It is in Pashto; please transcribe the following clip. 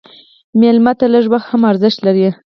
مېلمه ته لږ وخت هم ارزښت لري.